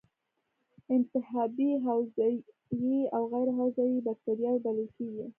انتحابی هوازی او غیر هوازی بکټریاوې بلل کیږي.